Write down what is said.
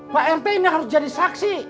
pak mp ini harus jadi saksi